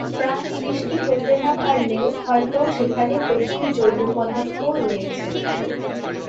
প্রাণ সৃষ্টি হতে না পারলেও হয়ত সেখানে প্রচুর জৈব পদার্থ রয়েছে।